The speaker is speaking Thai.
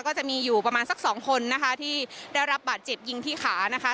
ก็จะมีอยู่ประมาณสักสองคนนะคะที่ได้รับบาดเจ็บยิงที่ขานะคะ